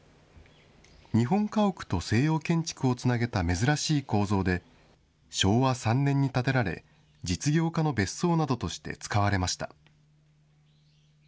日本家屋と西洋建築をつなげた珍しい構造で、昭和３年に建てられ、実業家の別荘などとして使われました。